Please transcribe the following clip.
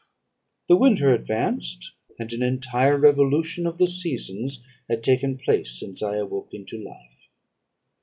"The winter advanced, and an entire revolution of the seasons had taken place since I awoke into life.